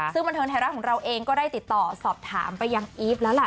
ซึ่งบันเทิงไทยรัฐของเราเองก็ได้ติดต่อสอบถามไปยังอีฟแล้วล่ะ